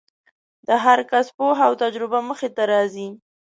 د هر کس پوهه او تجربه مخې ته راځي.